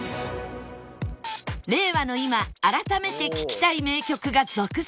令和の今改めて聴きたい名曲が続々！